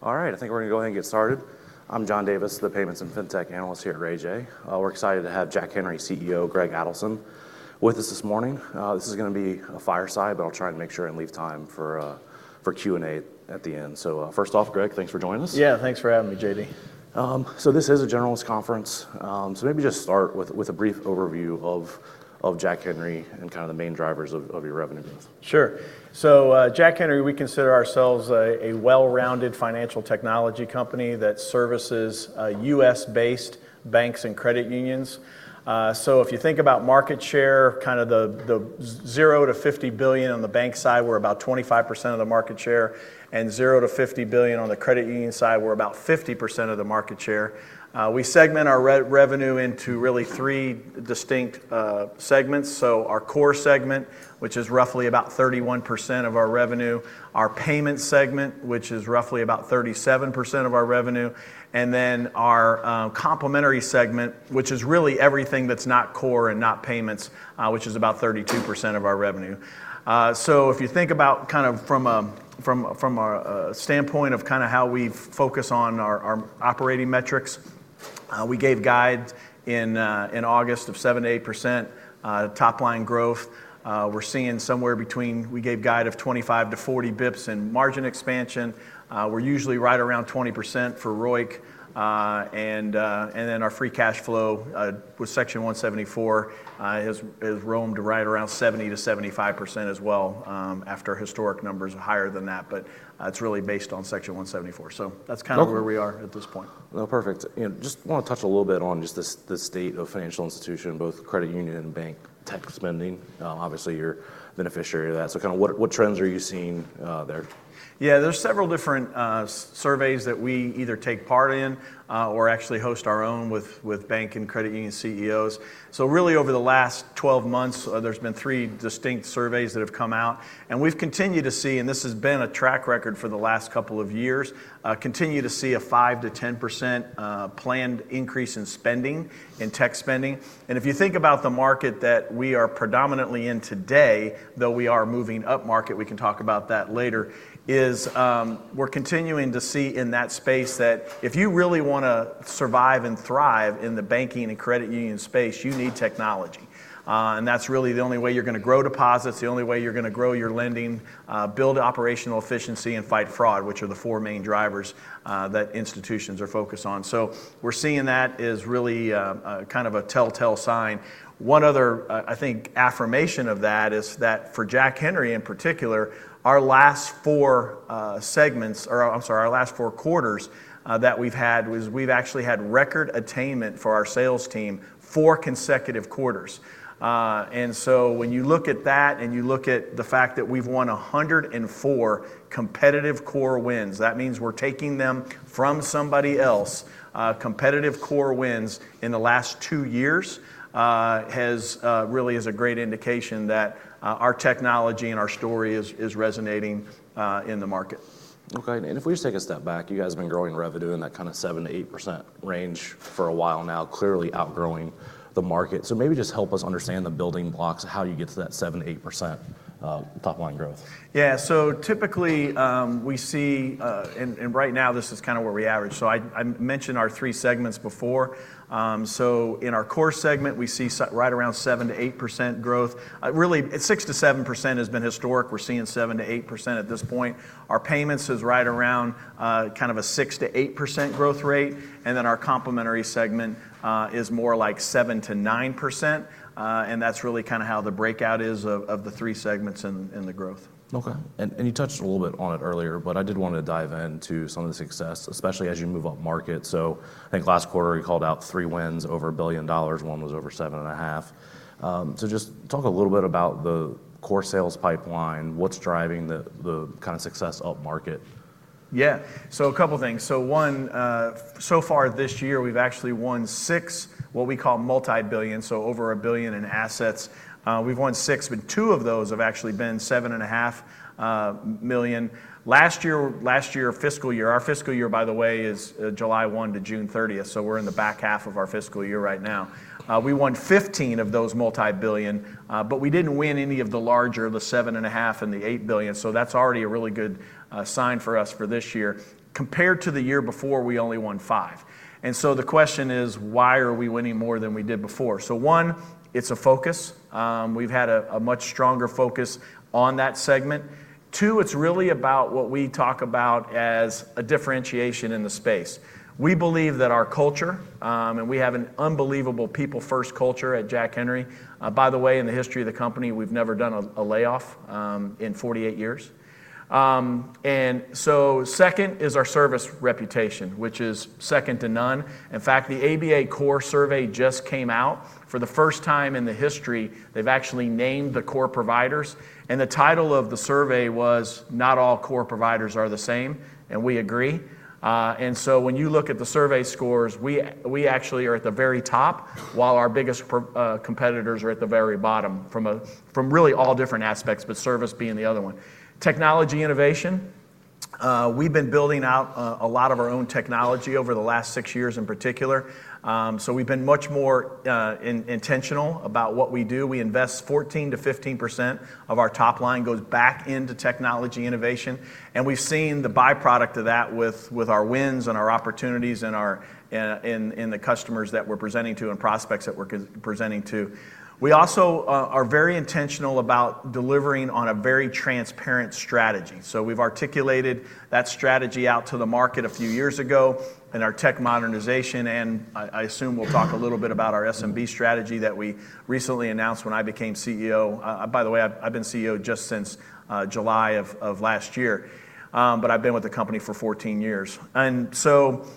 All right, I think we're going to go ahead and get started. I'm John Davis, the Payments and FinTech Analyst here at RayJ. We're excited to have Jack Henry CEO Greg Adelson with us this morning. This is going to be a fireside, but I'll try and make sure and leave time for Q&A at the end. So first off, Greg, thanks for joining us. Yeah, thanks for having me, JD. So this is a generalist conference, so maybe just start with a brief overview of Jack Henry and kind of the main drivers of your revenue growth. Sure. So Jack Henry, we consider ourselves a well-rounded financial technology company that services U.S.-based banks and credit unions. So if you think about market share, kind of the zero to $50 billion on the bank side, we're about 25% of the market share, and zero to $50 billion on the credit union side, we're about 50% of the market share. We segment our revenue into really three distinct segments. So our core segment, which is roughly about 31% of our revenue, our payments segment, which is roughly about 37% of our revenue, and then our complementary segment, which is really everything that's not core and not payments, which is about 32% of our revenue. So if you think about kind of from a standpoint of kind of how we focus on our operating metrics, we gave guide in August of 7%-8% top-line growth. We're seeing somewhere between we gave guide of 25-40 basis points in margin expansion. We're usually right around 20% for ROIC. And then our free cash flow with Section 174 has hovered right around 70%-75% as well after historic numbers higher than that, but it's really based on Section 174. So that's kind of where we are at this point. Perfect. Just want to touch a little bit on just the state of financial institution, both credit union and bank spending. Obviously, you're a beneficiary of that. So kind of what trends are you seeing there? Yeah, there's several different surveys that we either take part in or actually host our own with bank and credit union CEOs. So really over the last 12 months, there's been three distinct surveys that have come out. And we've continued to see, and this has been a track record for the last couple of years, continue to see a 5%-10% planned increase in spending, in tech spending. And if you think about the market that we are predominantly in today, though we are moving up market, we can talk about that later, is we're continuing to see in that space that if you really want to survive and thrive in the banking and credit union space, you need technology. And that's really the only way you're going to grow deposits, the only way you're going to grow your lending, build operational efficiency, and fight fraud, which are the four main drivers that institutions are focused on. So we're seeing that as really kind of a telltale sign. One other, I think, affirmation of that is that for Jack Henry in particular, our last four segments, or I'm sorry, our last four quarters that we've had was we've actually had record attainment for our sales team four consecutive quarters. And so when you look at that and you look at the fact that we've won 104 competitive core wins, that means we're taking them from somebody else. Competitive core wins in the last two years really is a great indication that our technology and our story is resonating in the market. Okay. And if we just take a step back, you guys have been growing revenue in that kind of 7%-8% range for a while now, clearly outgrowing the market. So maybe just help us understand the building blocks of how you get to that 7%-8% top-line growth. Yeah. So typically we see, and right now this is kind of where we average. So I mentioned our three segments before. So in our core segment, we see right around 7%-8% growth. Really, 6%-7% has been historic. We're seeing 7%-8% at this point. Our payments is right around kind of a 6%-8% growth rate. And then our complementary segment is more like 7%-9%. And that's really kind of how the breakout is of the three segments in the growth. Okay. And you touched a little bit on it earlier, but I did want to dive into some of the success, especially as you move up market. So I think last quarter you called out three wins over $1 billion. One was over $7.5 billion. So just talk a little bit about the core sales pipeline. What's driving the kind of success up market? Yeah. So a couple of things. So one, so far this year, we've actually won six what we call multibillion, so over a billion in assets. We've won six, but two of those have actually been $7.5 billion. Last year, fiscal year, our fiscal year, by the way, is July 1 to June 30th. So we're in the back half of our fiscal year right now. We won 15 of those multibillion, but we didn't win any of the larger, the $7.5 billion and the $8 billion. So that's already a really good sign for us for this year. Compared to the year before, we only won five. And so the question is, why are we winning more than we did before? So one, it's a focus. We've had a much stronger focus on that segment. Two, it's really about what we talk about as a differentiation in the space. We believe that our culture, and we have an unbelievable people-first culture at Jack Henry. By the way, in the history of the company, we've never done a layoff in 48 years, and so second is our service reputation, which is second to none. In fact, the ABA Core Survey just came out. For the first time in the history, they've actually named the core providers, and the title of the survey was, "Not all core providers are the same," and we agree, and so when you look at the survey scores, we actually are at the very top, while our biggest competitors are at the very bottom from really all different aspects, but service being the other one. Technology innovation, we've been building out a lot of our own technology over the last six years in particular. So we've been much more intentional about what we do. We invest 14%-15% of our top line goes back into technology innovation. And we've seen the byproduct of that with our wins and our opportunities and the customers that we're presenting to and prospects that we're presenting to. We also are very intentional about delivering on a very transparent strategy. So we've articulated that strategy out to the market a few years ago in our tech modernization. And I assume we'll talk a little bit about our SMB strategy that we recently announced when I became CEO. By the way, I've been CEO just since July of last year, but I've been with the company for 14 years. And so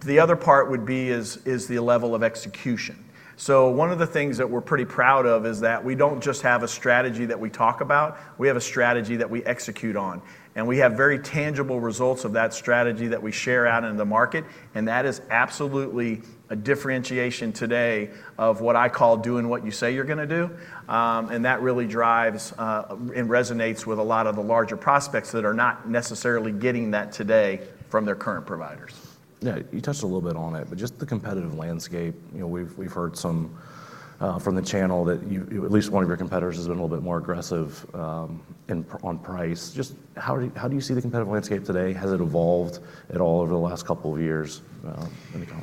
the other part would be is the level of execution. So one of the things that we're pretty proud of is that we don't just have a strategy that we talk about. We have a strategy that we execute on. And we have very tangible results of that strategy that we share out into the market. And that is absolutely a differentiation today of what I call doing what you say you're going to do. And that really drives and resonates with a lot of the larger prospects that are not necessarily getting that today from their current providers. Yeah. You touched a little bit on it, but just the competitive landscape. We've heard from the channel that at least one of your competitors has been a little bit more aggressive on price. Just how do you see the competitive landscape today? Has it evolved at all over the last couple of years?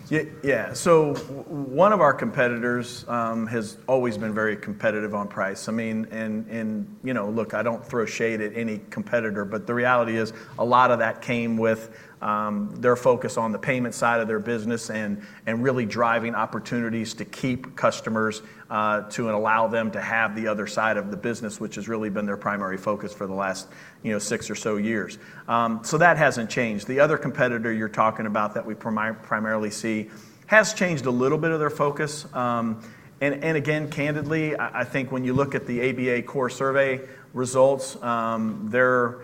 Yeah. So one of our competitors has always been very competitive on price. I mean, and look, I don't throw shade at any competitor, but the reality is a lot of that came with their focus on the payment side of their business and really driving opportunities to keep customers to allow them to have the other side of the business, which has really been their primary focus for the last six or so years. So that hasn't changed. The other competitor you're talking about that we primarily see has changed a little bit of their focus. And again, candidly, I think when you look at the ABA Core Survey results, their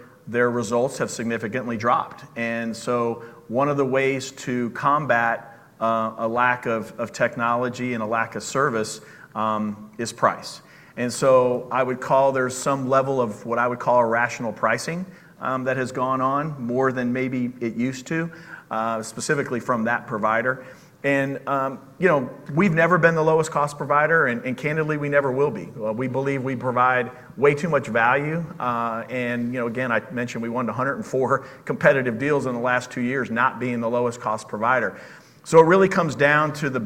results have significantly dropped. And so one of the ways to combat a lack of technology and a lack of service is price. And so I would call there's some level of what I would call a rational pricing that has gone on more than maybe it used to, specifically from that provider. And we've never been the lowest cost provider, and candidly, we never will be. We believe we provide way too much value. And again, I mentioned we won 104 competitive deals in the last two years, not being the lowest cost provider. So it really comes down to the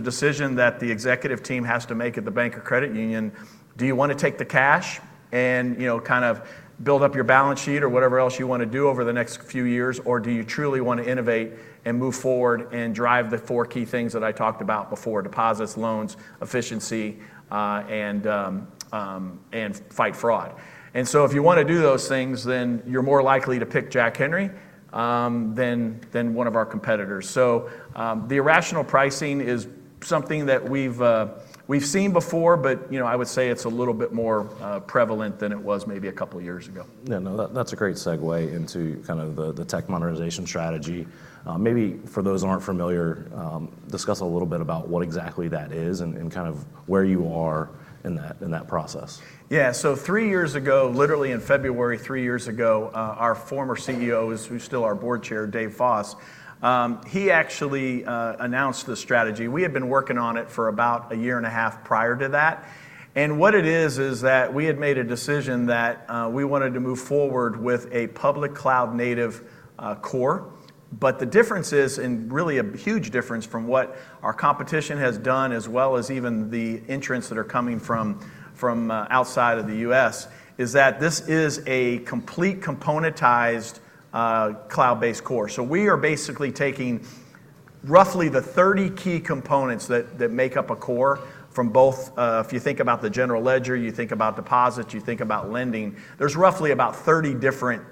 decision that the executive team has to make at the bank or credit union. Do you want to take the cash and kind of build up your balance sheet or whatever else you want to do over the next few years, or do you truly want to innovate and move forward and drive the four key things that I talked about before: deposits, loans, efficiency, and fight fraud? And so if you want to do those things, then you're more likely to pick Jack Henry than one of our competitors. So the irrational pricing is something that we've seen before, but I would say it's a little bit more prevalent than it was maybe a couple of years ago. Yeah. No, that's a great segue into kind of the tech modernization strategy. Maybe for those who aren't familiar, discuss a little bit about what exactly that is and kind of where you are in that process. Yeah. So three years ago, literally in February three years ago, our former CEO, who's still our board chair, Dave Foss, he actually announced the strategy. We had been working on it for about a year and a half prior to that. And what it is is that we had made a decision that we wanted to move forward with a public cloud-native core. But the difference is, and really a huge difference from what our competition has done, as well as even the entrants that are coming from outside of the U.S., is that this is a complete componentized cloud-based core. So we are basically taking roughly the 30 key components that make up a core from both, if you think about the general ledger, you think about deposits, you think about lending, there's roughly about 30 different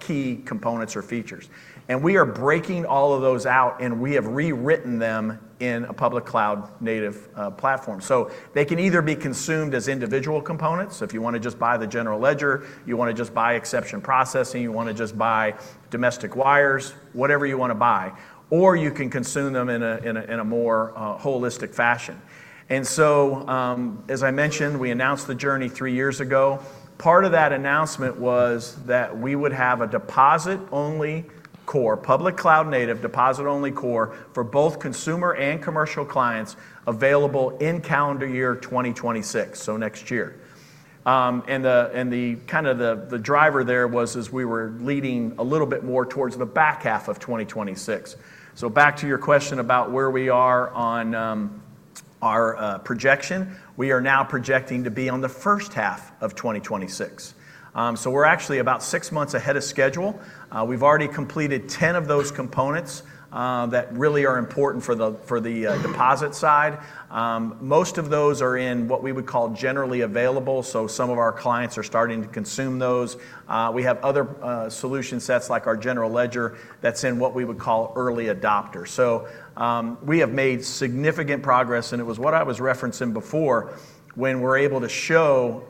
key components or features. And we are breaking all of those out, and we have rewritten them in a public cloud-native platform. So they can either be consumed as individual components. So if you want to just buy the general ledger, you want to just buy exception processing, you want to just buy domestic wires, whatever you want to buy, or you can consume them in a more holistic fashion. And so as I mentioned, we announced the journey three years ago. Part of that announcement was that we would have a deposit-only core, public cloud-native deposit-only core for both consumer and commercial clients available in calendar year 2026, so next year. And kind of the driver there was as we were leading a little bit more towards the back half of 2026. So back to your question about where we are on our projection, we are now projecting to be on the first half of 2026. So we're actually about six months ahead of schedule. We've already completed 10 of those components that really are important for the deposit side. Most of those are in what we would call generally available. So some of our clients are starting to consume those. We have other solution sets like our General Ledger that's in what we would call early adopter. So we have made significant progress. And it was what I was referencing before when we're able to show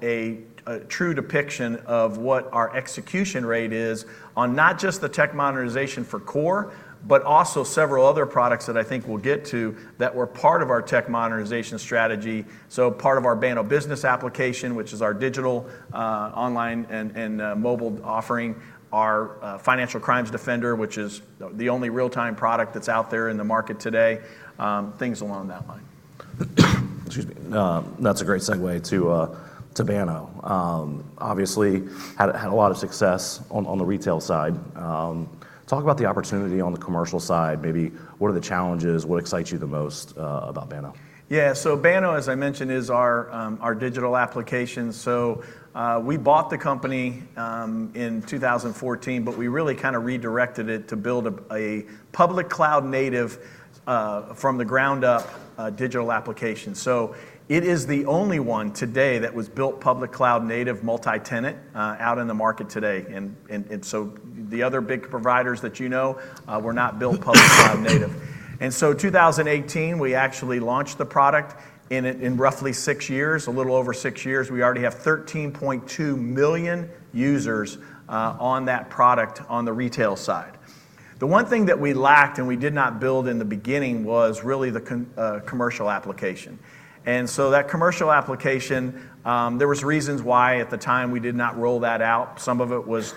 a true depiction of what our execution rate is on not just the tech modernization for core, but also several other products that I think we'll get to that were part of our tech modernization strategy. Part of our Banno Business application, which is our digital online and mobile offering, our Financial Crimes Defender, which is the only real-time product that's out there in the market today, things along that line. Excuse me. That's a great segue to Banno. Obviously, had a lot of success on the retail side. Talk about the opportunity on the commercial side. Maybe what are the challenges? What excites you the most about Banno? Yeah. So Banno, as I mentioned, is our digital application. So we bought the company in 2014, but we really kind of redirected it to build a public cloud-native from the ground up digital application. So it is the only one today that was built public cloud-native multi-tenant out in the market today. And so the other big providers that you know were not built public cloud-native. And so 2018, we actually launched the product. In roughly six years, a little over six years, we already have 13.2 million users on that product on the retail side. The one thing that we lacked and we did not build in the beginning was really the commercial application. And so that commercial application, there were reasons why at the time we did not roll that out. Some of it was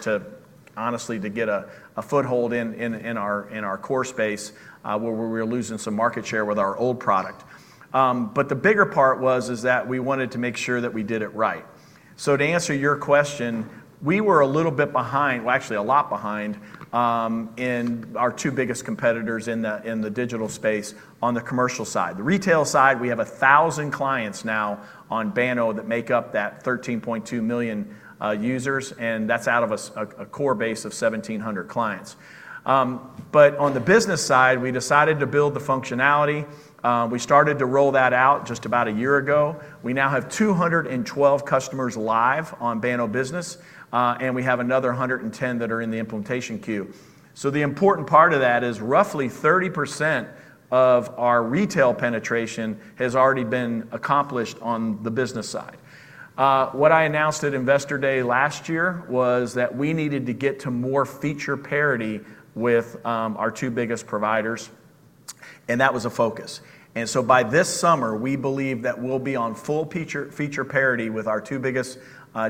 honestly to get a foothold in our core space where we were losing some market share with our old product, but the bigger part was that we wanted to make sure that we did it right, so to answer your question, we were a little bit behind, well, actually a lot behind in our two biggest competitors in the digital space on the commercial side. The retail side, we have 1,000 clients now on Banno that make up that 13.2 million users, and that's out of a core base of 1,700 clients, but on the business side, we decided to build the functionality. We started to roll that out just about a year ago. We now have 212 customers live on Banno Business, and we have another 110 that are in the implementation queue. The important part of that is roughly 30% of our retail penetration has already been accomplished on the business side. What I announced at Investor Day last year was that we needed to get to more feature parity with our two biggest providers, and that was a focus. By this summer, we believe that we'll be on full feature parity with our two biggest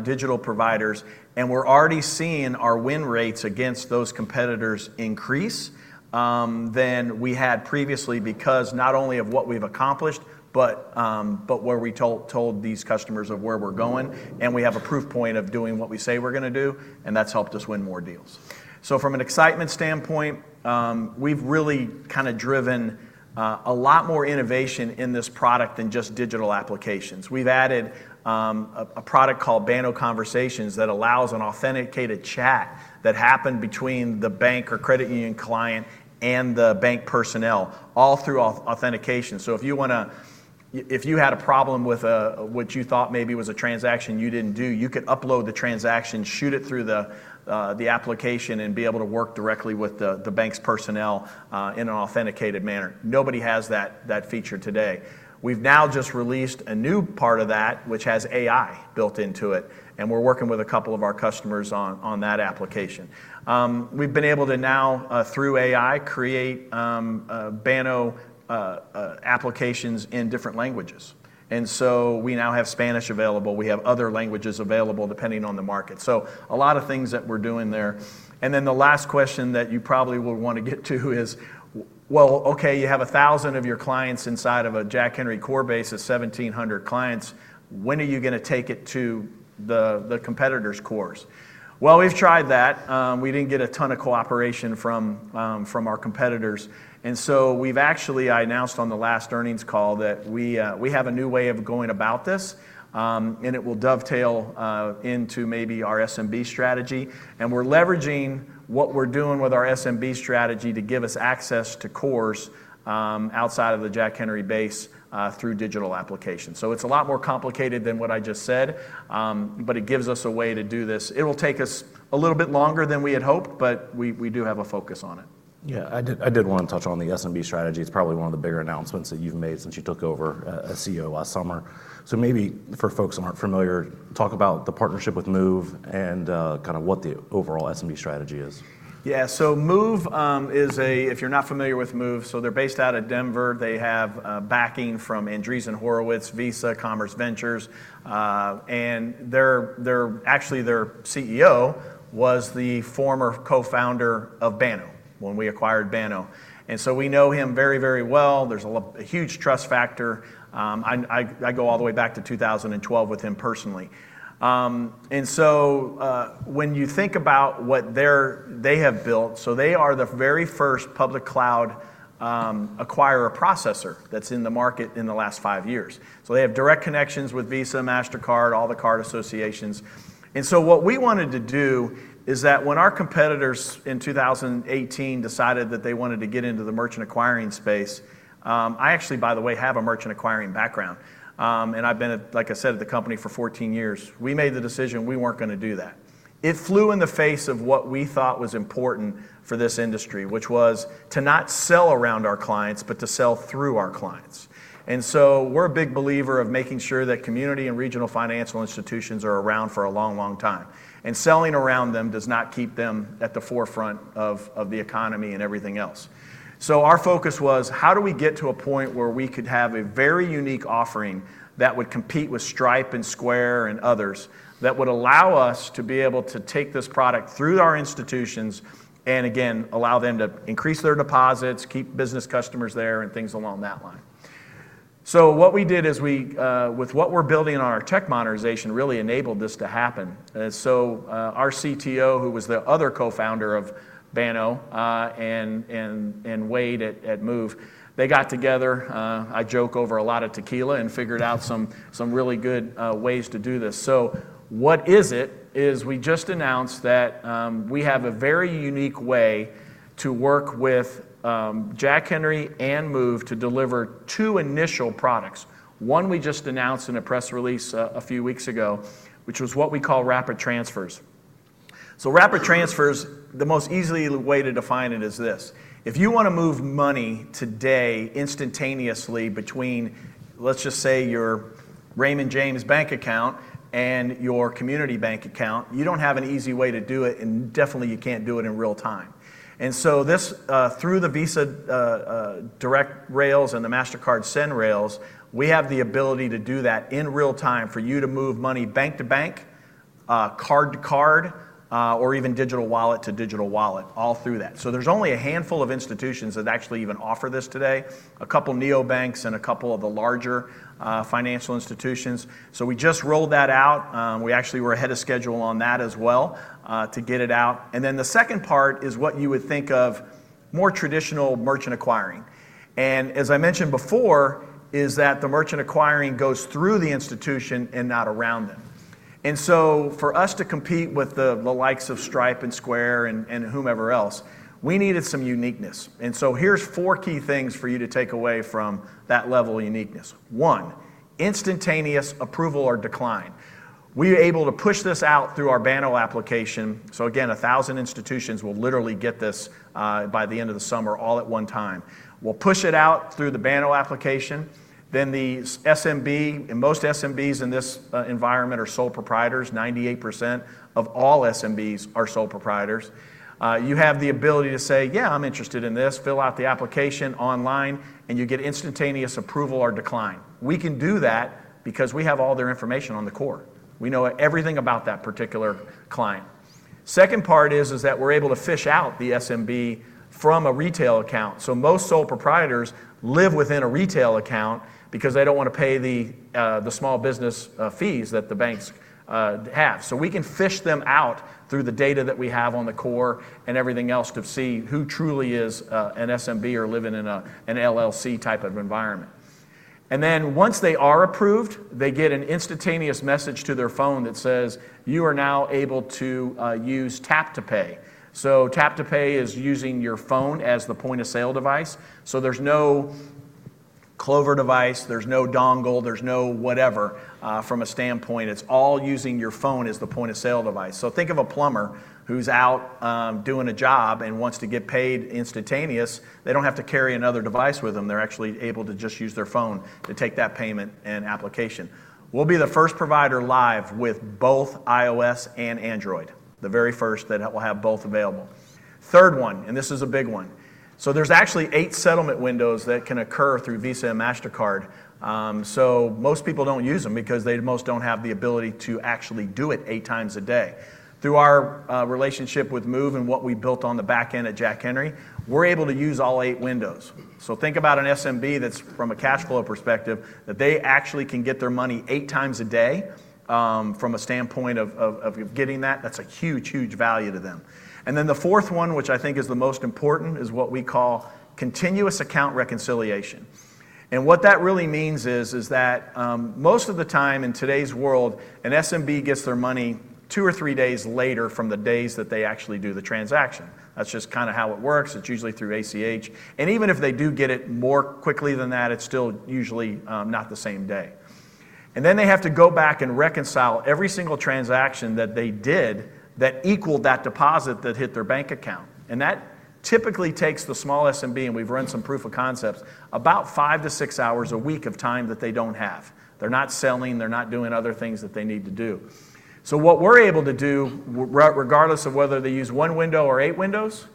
digital providers. We're already seeing our win rates against those competitors increase than we had previously because not only of what we've accomplished, but where we told these customers of where we're going. We have a proof point of doing what we say we're going to do, and that's helped us win more deals. From an excitement standpoint, we've really kind of driven a lot more innovation in this product than just digital applications. We've added a product called Banno Conversations that allows an authenticated chat that happened between the bank or credit union client and the bank personnel all through authentication. So if you had a problem with what you thought maybe was a transaction you didn't do, you could upload the transaction, shoot it through the application, and be able to work directly with the bank's personnel in an authenticated manner. Nobody has that feature today. We've now just released a new part of that, which has AI built into it. And we're working with a couple of our customers on that application. We've been able to now, through AI, create Banno applications in different languages. And so we now have Spanish available. We have other languages available depending on the market. So a lot of things that we're doing there. And then the last question that you probably will want to get to is, well, okay, you have 1,000 of your clients inside of a Jack Henry core base of 1,700 clients. When are you going to take it to the competitor's cores? Well, we've tried that. We didn't get a ton of cooperation from our competitors. And so we've actually announced on the last earnings call that we have a new way of going about this, and it will dovetail into maybe our SMB strategy. And we're leveraging what we're doing with our SMB strategy to give us access to cores outside of the Jack Henry base through digital applications. So it's a lot more complicated than what I just said, but it gives us a way to do this. It will take us a little bit longer than we had hoped, but we do have a focus on it. Yeah. I did want to touch on the SMB strategy. It's probably one of the bigger announcements that you've made since you took over as CEO last summer. So maybe for folks who aren't familiar, talk about the partnership with Moov and kind of what the overall SMB strategy is. Yeah. So Moov is a, if you're not familiar with Moov, so they're based out of Denver. They have backing from Andreessen Horowitz, Visa, Commerce Ventures. And actually, their CEO was the former co-founder of Banno when we acquired Banno. And so we know him very, very well. There's a huge trust factor. I go all the way back to 2012 with him personally. And so when you think about what they have built, so they are the very first public cloud acquirer processor that's in the market in the last five years. So they have direct connections with Visa, Mastercard, all the card associations. And so what we wanted to do is that when our competitors in 2018 decided that they wanted to get into the merchant acquiring space, I actually, by the way, have a merchant acquiring background. I've been, like I said, at the company for 14 years. We made the decision we weren't going to do that. It flew in the face of what we thought was important for this industry, which was to not sell around our clients, but to sell through our clients. We're a big believer of making sure that community and regional financial institutions are around for a long, long time. Selling around them does not keep them at the forefront of the economy and everything else. Our focus was, how do we get to a point where we could have a very unique offering that would compete with Stripe and Square and others that would allow us to be able to take this product through our institutions and, again, allow them to increase their deposits, keep business customers there, and things along that line. So what we did is with what we're building on our tech modernization really enabled this to happen. And so our CTO, who was the other co-founder of Banno and Wade at Moov, they got together. I joke over a lot of tequila and figured out some really good ways to do this. So what it is is we just announced that we have a very unique way to work with Jack Henry and Moov to deliver two initial products. One we just announced in a press release a few weeks ago, which was what we call rapid transfers. So rapid transfers, the most easy way to define it is this: if you want to move money today instantaneously between, let's just say, your Raymond James Bank account and your community bank account, you don't have an easy way to do it. And definitely, you can't do it in real time. And so through the Visa Direct rails and the Mastercard Send rails, we have the ability to do that in real time for you to move money bank to bank, card to card, or even digital wallet to digital wallet all through that. So there's only a handful of institutions that actually even offer this today, a couple of neobanks and a couple of the larger financial institutions. So we just rolled that out. We actually were ahead of schedule on that as well to get it out. And then the second part is what you would think of as more traditional merchant acquiring. And as I mentioned before, is that the merchant acquiring goes through the institution and not around them. And so for us to compete with the likes of Stripe and Square and whomever else, we needed some uniqueness. And so here's four key things for you to take away from that level of uniqueness. One, instantaneous approval or decline. We are able to push this out through our Banno application. So again, 1,000 institutions will literally get this by the end of the summer all at one time. We'll push it out through the Banno application. Then the SMB, most SMBs in this environment are sole proprietors. 98% of all SMBs are sole proprietors. You have the ability to say, "Yeah, I'm interested in this." Fill out the application online, and you get instantaneous approval or decline. We can do that because we have all their information on the core. We know everything about that particular client. Second part is that we're able to fish out the SMB from a retail account. So most sole proprietors live within a retail account because they don't want to pay the small business fees that the banks have. So we can fish them out through the data that we have on the core and everything else to see who truly is an SMB or living in an LLC type of environment. And then once they are approved, they get an instantaneous message to their phone that says, "You are now able to use Tap to Pay." So Tap to Pay is using your phone as the point-of-sale device. So there's no Clover device, there's no dongle, there's no whatever from a standpoint. It's all using your phone as the point-of-sale device. So think of a plumber who's out doing a job and wants to get paid instantaneously. They don't have to carry another device with them. They're actually able to just use their phone to take that payment and application. We'll be the first provider live with both iOS and Android, the very first that will have both available. Third one, and this is a big one. So there's actually eight settlement windows that can occur through Visa and Mastercard. So most people don't use them because they most don't have the ability to actually do it eight times a day. Through our relationship with Moov and what we built on the back end at Jack Henry, we're able to use all eight windows. So think about an SMB that's from a cash flow perspective that they actually can get their money eight times a day from a standpoint of getting that. That's a huge, huge value to them. And then the fourth one, which I think is the most important, is what we call continuous account reconciliation. And what that really means is that most of the time in today's world, an SMB gets their money two or three days later from the days that they actually do the transaction. That's just kind of how it works. It's usually through ACH. And even if they do get it more quickly than that, it's still usually not the same day. And then they have to go back and reconcile every single transaction that they did that equaled that deposit that hit their bank account. And that typically takes the small SMB, and we've run some proof of concepts, about five to six hours a week of time that they don't have. They're not selling. They're not doing other things that they need to do. So what we're able to do, regardless of whether they use one window or eight windows,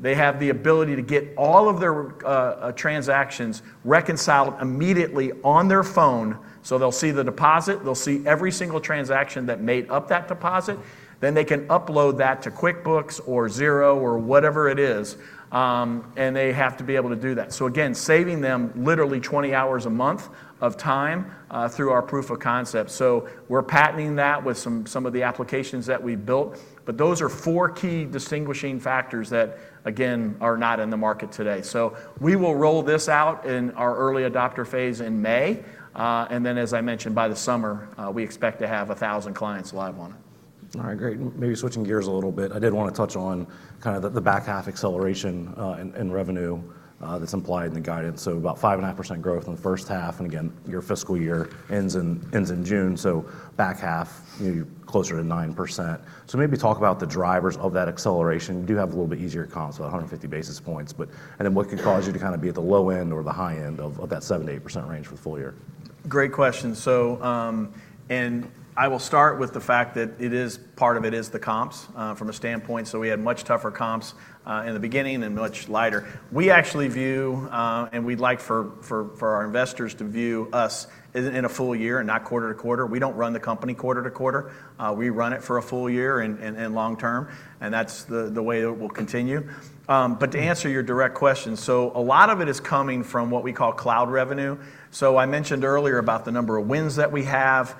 they have the ability to get all of their transactions reconciled immediately on their phone. So they'll see the deposit. They'll see every single transaction that made up that deposit. Then they can upload that to QuickBooks or Xero or whatever it is. And they have to be able to do that. So again, saving them literally 20 hours a month of time through our proof of concept. So we're patenting that with some of the applications that we've built. But those are four key distinguishing factors that, again, are not in the market today. So we will roll this out in our early adopter phase in May. And then, as I mentioned, by the summer, we expect to have 1,000 clients live on it. All right. Great. Maybe switching gears a little bit. I did want to touch on kind of the back half acceleration and revenue that's implied in the guidance. So about 5.5% growth in the first half. And again, your fiscal year ends in June. So back half, closer to 9%. So maybe talk about the drivers of that acceleration. You do have a little bit easier comps, about 150 basis points. And then what could cause you to kind of be at the low end or the high end of that 7%-8% range for the full year? Great question, and I will start with the fact that part of it is the comps from a standpoint, so we had much tougher comps in the beginning and much lighter. We actually view, and we'd like for our investors to view us in a full year and not quarter to quarter. We don't run the company quarter to quarter. We run it for a full year and long term, and that's the way that we'll continue. But to answer your direct question, so a lot of it is coming from what we call cloud revenue. So I mentioned earlier about the number of wins that we have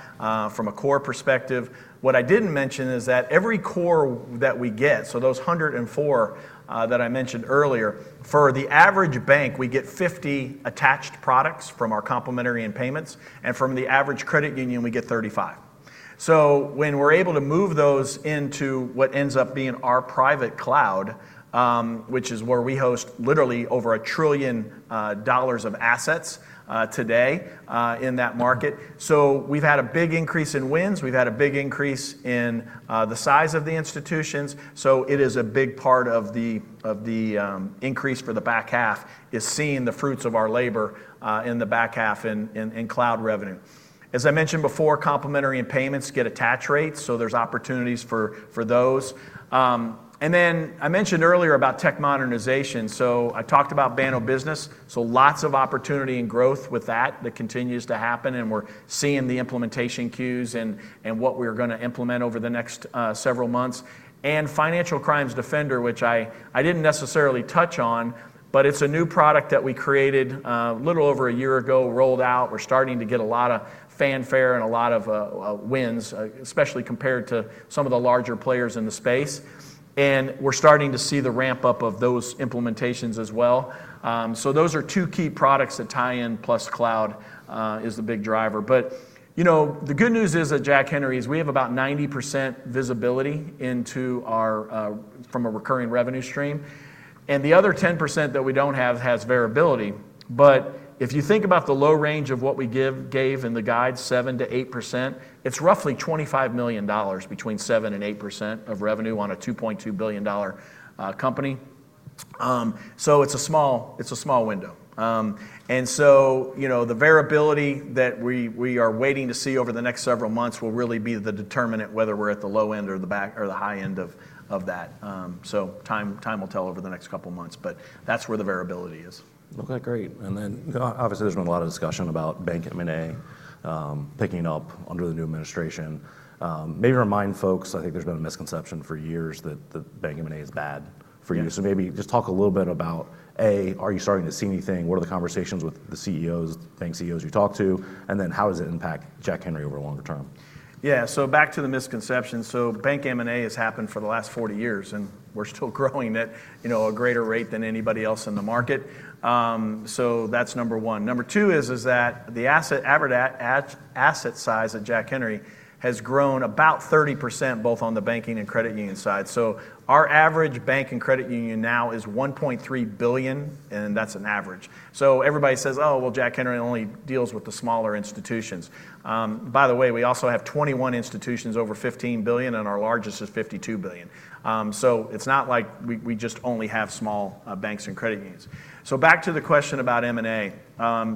from a core perspective. What I didn't mention is that every core that we get, so those 104 that I mentioned earlier, for the average bank, we get 50 attached products from our complementary and payments. From the average credit union, we get 35. So when we're able to move those into what ends up being our private cloud, which is where we host literally over $1 trillion of assets today in that market. So we've had a big increase in wins. We've had a big increase in the size of the institutions. So it is a big part of the increase for the back half is seeing the fruits of our labor in the back half in cloud revenue. As I mentioned before, complementary and payments get attach rates. So there's opportunities for those. And then I mentioned earlier about tech modernization. So I talked about Banno Business. So lots of opportunity and growth with that that continues to happen. And we're seeing the implementation queues and what we're going to implement over the next several months. Financial Crimes Defender, which I didn't necessarily touch on, but it's a new product that we created a little over a year ago, rolled out. We're starting to get a lot of fanfare and a lot of wins, especially compared to some of the larger players in the space. And we're starting to see the ramp up of those implementations as well. So those are two key products that tie in, plus cloud is the big driver. But the good news is at Jack Henry is we have about 90% visibility from a recurring revenue stream. And the other 10% that we don't have has variability. But if you think about the low range of what we gave in the guide, 7%-8%, it's roughly $25 million between 7% and 8% of revenue on a $2.2 billion company. So it's a small window. And so the variability that we are waiting to see over the next several months will really be the determinant whether we're at the low end or the high end of that. So time will tell over the next couple of months. But that's where the variability is. Okay. Great. And then obviously, there's been a lot of discussion about Bank M&A picking up under the new administration. Maybe remind folks. I think there's been a misconception for years that bank M&A is bad for you. So maybe just talk a little bit about, A, are you starting to see anything? What are the conversations with the bank CEOs you talk to? And then how does it impact Jack Henry over the longer term? Yeah. So back to the misconception. So bank M&A has happened for the last 40 years, and we're still growing at a greater rate than anybody else in the market. So that's number one. Number two is that the average asset size at Jack Henry has grown about 30% both on the banking and credit union side. So our average bank and credit union now is $1.3 billion, and that's an average. So everybody says, "Oh, well, Jack Henry only deals with the smaller institutions." By the way, we also have 21 institutions over $15 billion, and our largest is $52 billion. So it's not like we just only have small banks and credit unions. So back to the question about M&A,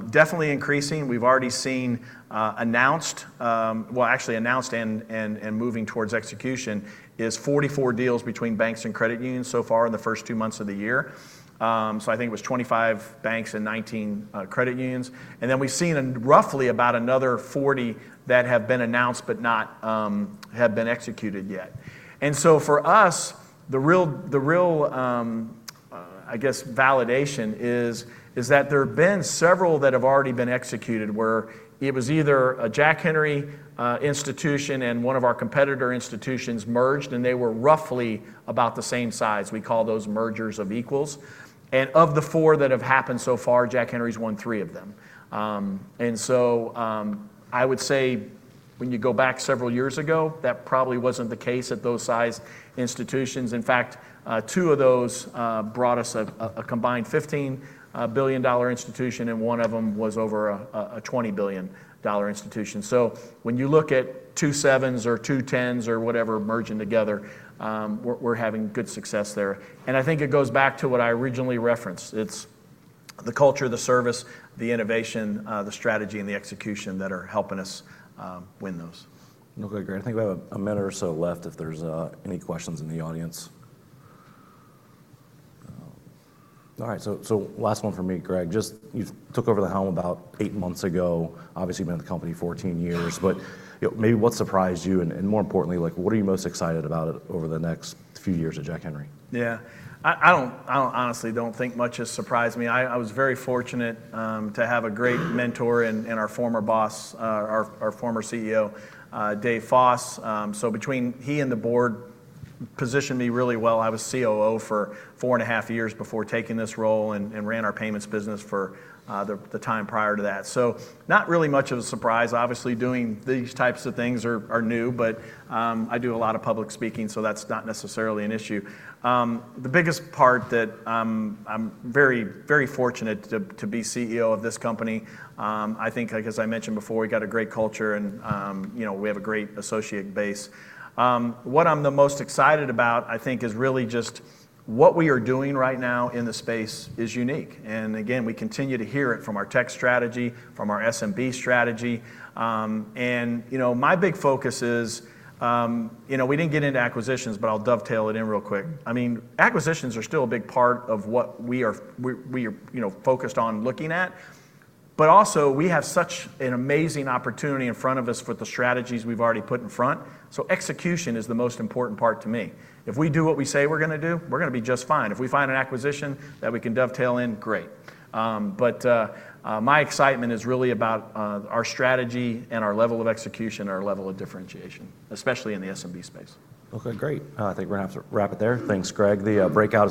definitely increasing. We've already seen announced, well, actually announced and moving towards execution, is 44 deals between banks and credit unions so far in the first two months of the year. So I think it was 25 banks and 19 credit unions. And then we've seen roughly about another 40 that have been announced but have not been executed yet. And so for us, the real, I guess, validation is that there have been several that have already been executed where it was either a Jack Henry institution and one of our competitor institutions merged, and they were roughly about the same size. We call those mergers of equals. And of the four that have happened so far, Jack Henry's won three of them. And so I would say when you go back several years ago, that probably wasn't the case at those size institutions. In fact, two of those brought us a combined $15 billion institution, and one of them was over a $20 billion institution. So when you look at two sevens or two tens or whatever merging together, we're having good success there. And I think it goes back to what I originally referenced. It's the culture, the service, the innovation, the strategy, and the execution that are helping us win those. Okay. Great. I think we have a minute or so left if there's any questions in the audience. All right. So last one for me, Greg. Just you took over the helm about eight months ago. Obviously, you've been at the company 14 years. But maybe what surprised you? And more importantly, what are you most excited about over the next few years at Jack Henry? Yeah. I honestly don't think much has surprised me. I was very fortunate to have a great mentor and our former boss, our former CEO, Dave Foss. So between he and the board positioned me really well. I was COO for four and a half years before taking this role and ran our payments business for the time prior to that. So not really much of a surprise. Obviously, doing these types of things are new, but I do a lot of public speaking, so that's not necessarily an issue. The biggest part that I'm very fortunate to be CEO of this company, I think, as I mentioned before, we've got a great culture, and we have a great associate base. What I'm the most excited about, I think, is really just what we are doing right now in the space is unique. And again, we continue to hear it from our tech strategy, from our SMB strategy. And my big focus is we didn't get into acquisitions, but I'll dovetail it in real quick. I mean, acquisitions are still a big part of what we are focused on looking at. But also, we have such an amazing opportunity in front of us with the strategies we've already put in front. So execution is the most important part to me. If we do what we say we're going to do, we're going to be just fine. If we find an acquisition that we can dovetail in, great. But my excitement is really about our strategy and our level of execution and our level of differentiation, especially in the SMB space. Okay. Great. I think we're going to have to wrap it there. Thanks, Greg. The breakout.